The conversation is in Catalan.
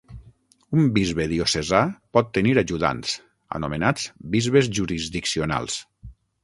Un bisbe diocesà pot tenir ajudants, anomenats bisbes jurisdiccionals.